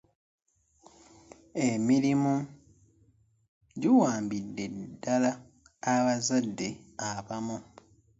emirimu giwambidde ddala abazadde abamu.